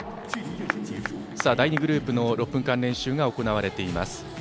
第２グループの６分間練習が行われています。